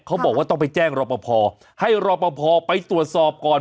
เขาบอกว่าต้องไปแจ้งรอปภให้รอปภไปตรวจสอบก่อน